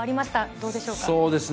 どうでしょうか。